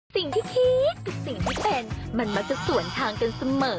สิ่งที่คิดกับสิ่งที่เป็นมันมักจะสวนทางกันเสมอ